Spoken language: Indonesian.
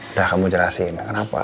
udah kamu jelasin kenapa